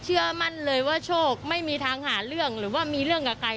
เชื่อมั่นเลยว่าโชคไม่มีทางหาเรื่องหรือว่ามีเรื่องกับใคร